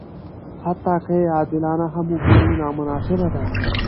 حتی که یې عادلانه هم وبولو نامناسبه ده.